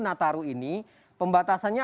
nataru ini pembatasannya